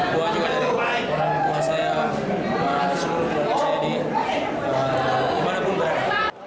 doa juga dari doa saya seluruh masyarakat saya di mana pun berada